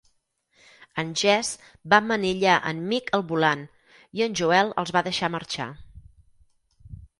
En Jesse va emmanillar en Mick al volant i en Joel els va deixar marxar.